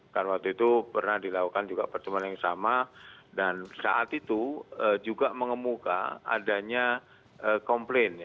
karena waktu itu pernah dilakukan juga pertemuan yang sama dan saat itu juga mengemuka adanya komplain